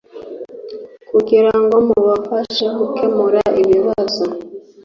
kugira ngo mubafashe gukemura ibibazo